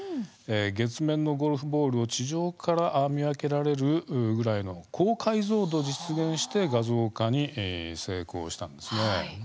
月面のゴルフボールを地上から見分けられるぐらいの高解像度を実現して画像化に成功したんです。